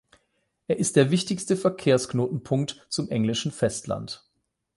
Er ist der wichtigste Verkehrsknotenpunkt zum englischen Festland.